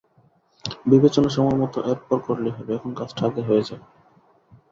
বিবেচনা সময়মত এর পর করলেই হবে, এখন কাজটা আগে হয়ে যাক।